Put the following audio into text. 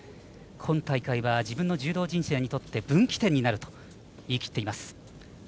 今大会は自分の柔道人生において分岐点になると言い切っています。